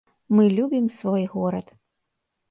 Мы любім свой горад.